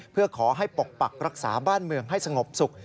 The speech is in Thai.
เพื่อขอให้ปกปักรักษาบ้านเมืองให้สงบสุข